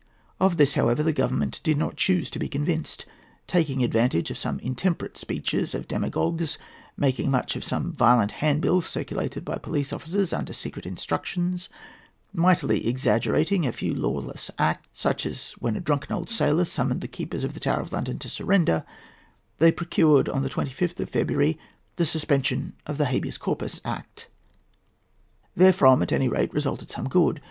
Of this, however, the Government did not choose to be convinced. Taking advantage of some intemperate speeches of demagogues, making much of some violent handbills circulated by police officers under secret instructions, mightily exaggerating a few lawless acts,—as when a drunken old sailor summoned the keepers of the Tower of London to surrender,—they procured, on the 26th of February, the suspension of the Habeas Corpus Act. Therefrom resulted, at any rate, some good.